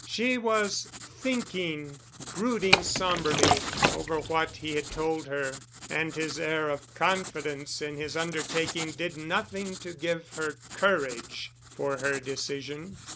She was thinking, brooding somberly over what he had told her, and his air of confidence in his undertaking did nothing to give her courage for her decision.